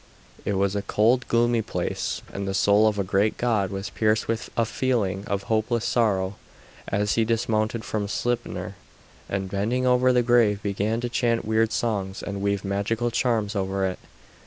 It was a cold, gloomy place, and the soul of the great god was pierced with a feeling of hopeless sorrow as he dismounted from Sleipner, and bending over the grave began to chant weird songs, and weave magical charms over it.